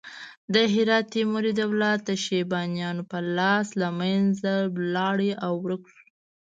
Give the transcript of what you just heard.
د هرات تیموري دولت د شیبانیانو په لاس له منځه لاړ او ورک شو.